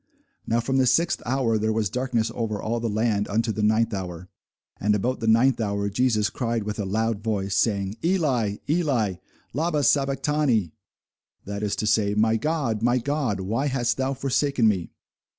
Now from the sixth hour there was darkness over all the land unto the ninth hour. And about the ninth hour Jesus cried with a loud voice, saying, Eli, Eli, lama sabachthani? that is to say, My God, my God, why hast thou forsaken me?